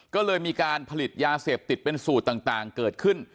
ก็เลยมีการผลิตยาเสพติดเป็นสูตรต่างเกิดขึ้น